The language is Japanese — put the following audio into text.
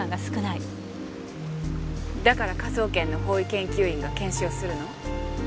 だから科捜研の法医研究員が検視をするの？